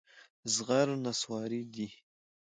زغر نصواري دي.